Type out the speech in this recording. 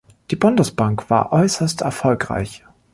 Die Bundesbank war äußerst erfolgreich.